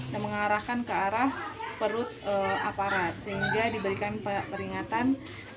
dan mengarahkan ke arah perut aparat sehingga diberikan peringatan